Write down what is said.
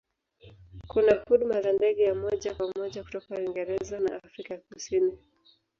Kuna huduma za ndege ya moja kwa moja kutoka Uingereza na Afrika ya Kusini.